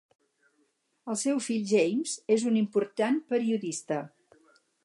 El seu fill, James, és un important periodista.